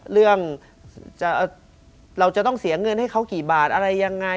เรื่องเราจะต้องเสียเงินให้เขากี่บาทอะไรยังไง